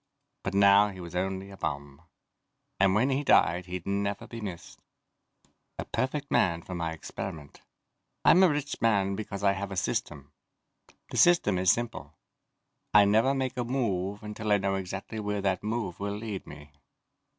But now he was only a bum, and when he died he'd never be missed. A perfect man for my experiment. I'm a rich man because I have a system. The system is simple: I never make a move until I know exactly where that move will lead me.